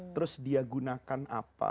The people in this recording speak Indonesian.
terus dia gunakan apa